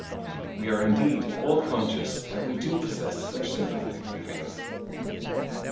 We are indeed all conscious that we do possess such sympathetic feelings (23.